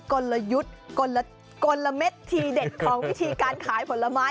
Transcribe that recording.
กลยุทธ์กลมทีเด็ดของวิธีการขายผลไม้